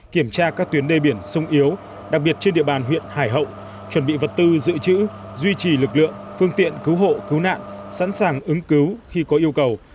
kiểm tra các tuyến đê biển sung yếu đặc biệt trên địa bàn huyện hải hậu chuẩn bị vật tư dự trữ duy trì lực lượng phương tiện cứu hộ cứu nạn sẵn sàng ứng cứu khi có yêu cầu